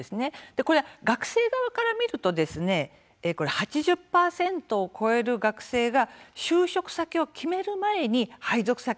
学生側から見ると８０％を超える学生が就職先を決める前に配属先